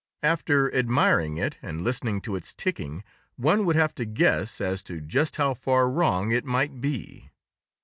After admiring it and listening to its ticking, one would have to guess as to just how far wrong it might be.